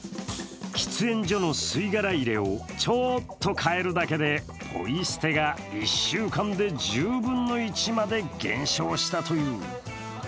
喫煙所の吸い殻入れをちょっと変えるだけでポイ捨てが１週間で１０分の１まで減少したという。